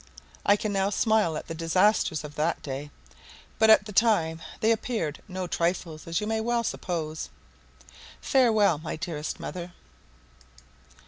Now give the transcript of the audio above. I can now smile at the disasters of that day, but at the time they appeared no trifles, as you may well suppose. Farewell, my dearest Mother.